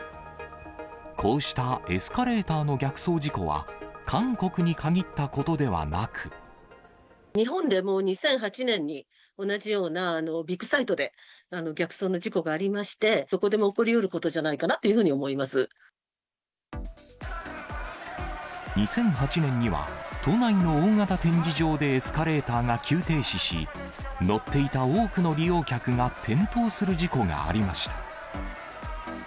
こうしたエスカレーターの逆走事故は、日本でも２００８年に、同じようなビッグサイトで、逆走の事故がありまして、どこでも起こりうることじゃないかなと２００８年には、都内の大型展示場でエスカレーターが急停止し、乗っていた多くの利用客が転倒する事故がありました。